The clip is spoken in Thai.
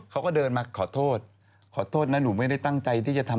เขาก็เดินมาขอโทษขอโทษนะหนูไม่ได้ตั้งใจที่จะทำ